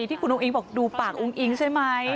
ที่คุณอุ้งบอกดูปากอุ้งอิงใช่ไหม